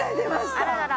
あららら。